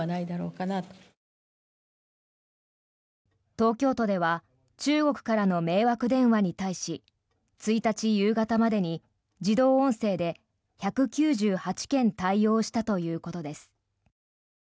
東京都では中国からの迷惑電話に対し１日夕方までに自動音声で、１９８件対応したということです。